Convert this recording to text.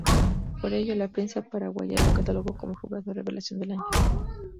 Por ello, la prensa paraguaya lo catalogó como el jugador revelación del año.